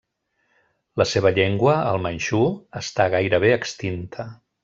La seva llengua, el manxú, està gairebé extinta.